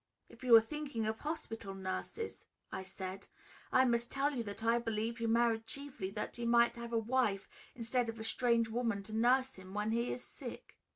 "If you are thinking of hospital nurses," I said, "I must tell you that I believe he married chiefly that he might have a wife instead of a strange woman to nurse him when he is sick."